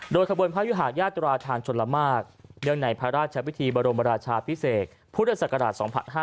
โดยขบวนพระยุหาญาตราทางชนละมากเนื่องในพระราชพิธีบรมราชาพิเศษพุทธศักราช๒๕๕๙